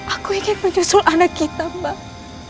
aku ingin menyusul anak kita mbak